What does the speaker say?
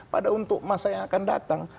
pada untuk masa yang akan datang